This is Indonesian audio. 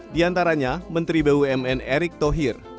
di antaranya menteri bumn erick thohir